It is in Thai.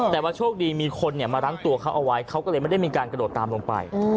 แต่ว่าโชคดีมีคนมารั้งตัวเขาเอาไว้เขาก็เลยไม่ได้มีการกระโดดตามลงไป